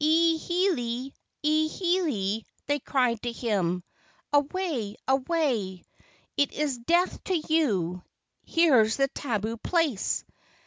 "E hele! E hele!" they cried to him. "Away, away! It is death to you. Here's the tabu place."